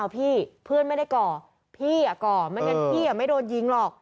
พี่เพื่อนไม่ได้เกาะพี่ก็เกาะ